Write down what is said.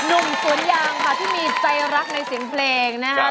หนุ่มสวนยางค่ะที่มีใจรักในเสียงเพลงนะครับ